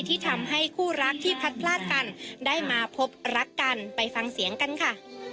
ที่ทำให้คู่รักที่พัดพลาดกันได้มาพบรักกันไปฟังเสียงกันค่ะ